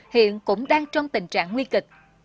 hiện cũng đang trong tình trạng nguy kịch